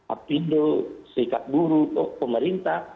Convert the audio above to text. api hidup sikap guru pemerintah